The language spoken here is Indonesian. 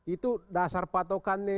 itu dasar patokannya